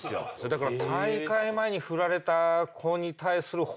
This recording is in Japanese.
だから。